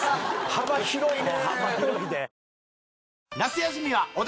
幅広いで。